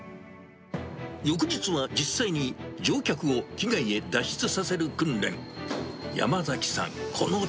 翌日は実際に、乗客を機外へ脱出させる訓練。